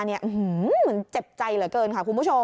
เหมือนเจ็บใจเหลือเกินค่ะคุณผู้ชม